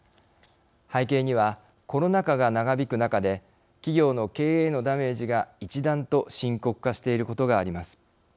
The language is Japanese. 背景には、コロナ禍が長引く中で企業の経営へのダメージが一段と深刻化していることがあります。